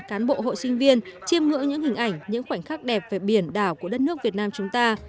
cán bộ hội sinh viên chiêm ngưỡng những hình ảnh những khoảnh khắc đẹp về biển đảo của đất nước việt nam chúng ta